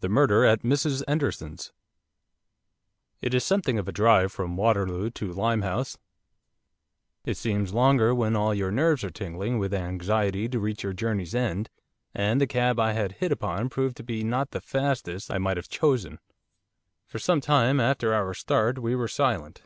THE MURDER AT MRS 'ENDERSON'S It is something of a drive from Waterloo to Limehouse, it seems longer when all your nerves are tingling with anxiety to reach your journey's end; and the cab I had hit upon proved to be not the fastest I might have chosen. For some time after our start, we were silent.